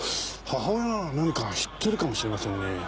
母親なら何か知ってるかもしれませんね。